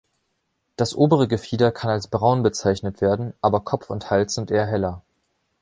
Das obere Gefieder kann als braun bezeichnet werden, aber Kopf und Hals sind eher heller.